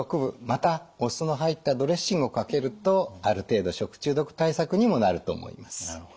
またお酢の入ったドレッシングをかけるとある程度食中毒対策にもなると思います。